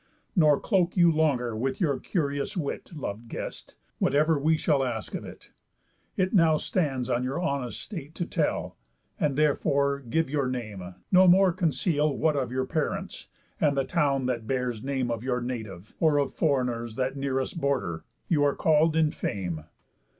Nor cloak you longer with your curious wit, Lov'd guest, what ever we shall ask of it. It now stands on your honest state to tell, And therefore give your name, nor more conceal What of your parents, and the town that bears Name of your native, or of foreigners That near us border, you are call'd in fame.